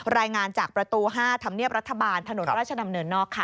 รายงานจากประตู๕ธรรมเนียบรัฐบาลถนนราชดำเนินนอกค่ะ